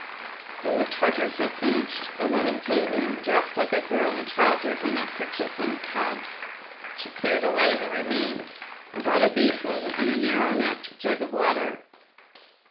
When the Tartars had finished, a woman came in dressed like the girl in trousers and a kerchief on her head. She cleared away the remains, and brought a basin and a narrow necked jug of water.